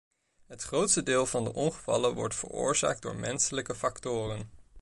Het grootste deel van de ongevallen wordt veroorzaakt door menselijke factoren.